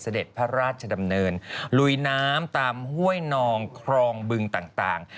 พระราชดำเนินลุยน้ำตามห้วยนองครองบึงต่าง